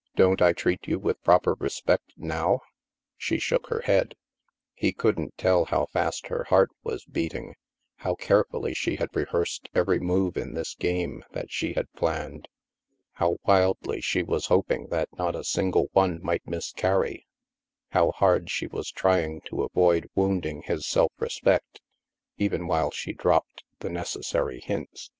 " Don't I treat you with proper respect now? " She shook her head ; he couldn't tell how fast her heart was beating, how carefully she had rehearsed every move in this game that she had planned, how wildly she was hoping that not a single one might miscarry, how hard she was trying to avoid wound ing his self respect, even while she dropped the necessary hints.